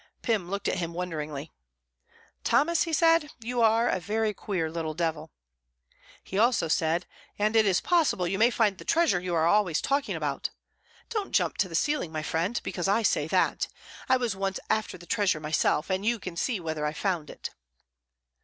Pym looked at him wonderingly. "Thomas," he said, "you are a very queer little devil." He also said: "And it is possible you may find the treasure you are always talking about. Don't jump to the ceiling, my friend, because I say that. I was once after the treasure, myself; and you can see whether I found it."